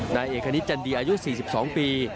นายเอกคณิตจันดีอายุ๔๒ปี